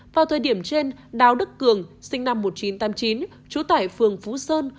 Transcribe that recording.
vào thời điểm trên đào đức cường sinh năm một nghìn chín trăm tám mươi chín trú tại phường phú sơn